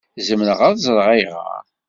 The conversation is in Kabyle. Zemreɣ ad ẓṛeɣ ayɣeṛ?